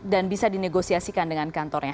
dan bisa dinegosiasikan dengan kantornya